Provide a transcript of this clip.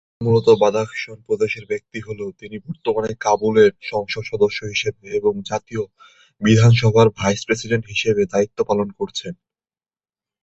মূলত বাদাখশন প্রদেশের ব্যক্তি হলেও তিনি বর্তমানে কাবুলের সংসদ সদস্য হিসেবে এবং জাতীয় বিধানসভার ভাইস প্রেসিডেন্ট হিসেবে দায়িত্বপালন করছেন।